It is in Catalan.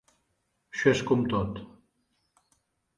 Això és com tot.